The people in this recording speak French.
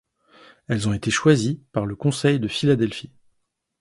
Elles ont été choisies par le Conseil de Philadelphie.